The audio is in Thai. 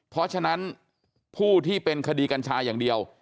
เพราะฉะนั้นผู้ที่เป็นคดีกัญชาอย่างเดียว